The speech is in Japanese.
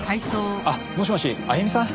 あっもしもしあゆみさん？